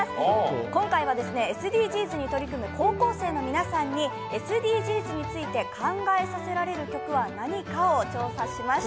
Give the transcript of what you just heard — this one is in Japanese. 今回はＳＤＧｓに取り組む高校生の皆さんに、ＳＤＧｓについて考えさせられる曲は何かを調査しました。